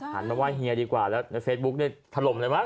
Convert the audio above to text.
มาไห้เฮียดีกว่าแล้วในเฟซบุ๊กเนี่ยถล่มเลยมั้